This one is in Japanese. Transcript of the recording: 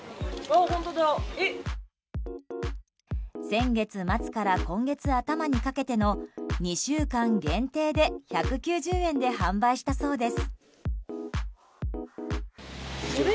先月末から今月頭にかけての２週間限定で１９０円で販売したそうです。